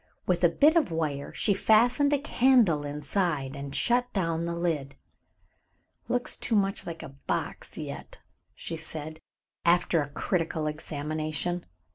With a bit of wire she fastened a candle inside and shut down the lid. "Looks too much like a box yet," she said, after a critical examination.